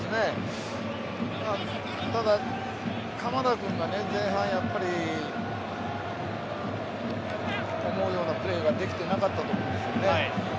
鎌田くんが前半やっぱり思うようなプレーができてなかったと思うんですね。